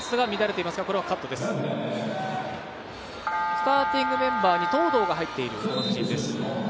スターティングメンバーに東藤が入っている。